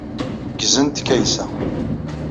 Ggzent Kaysa.